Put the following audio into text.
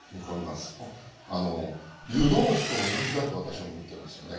あの湯豆腐と同じだと私は思ってるんですよね。